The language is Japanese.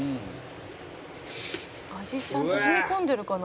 「味ちゃんと染み込んでるかな？」